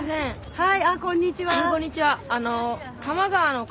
はい。